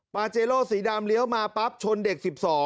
เจโลสีดำเลี้ยวมาปั๊บชนเด็ก๑๒